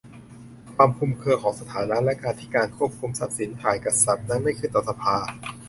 ความคลุมเครือของสถานะ และการที่การควบคุมทรัพย์สินฝ่ายกษัตริย์นั้นไม่ขึ้นต่อสภา